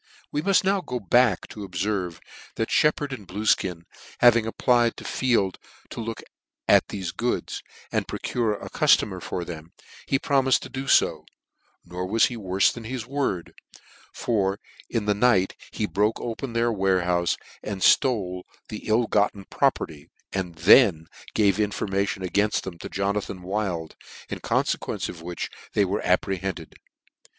We muft now go back to obferve, that Shep pard and Bluefkin having applied to Field to look at thefe goods, and procure a cuftomer for them, he promifed to do ib; nor was he worfe than his word , for in the night ho broke open their warehoufe, and ftole the ill gotten property, and then gave information againlt them to Jona than Wild, in coniequence of which they were apprehended.